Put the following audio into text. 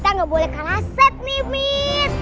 nggak boleh kalah set nih mit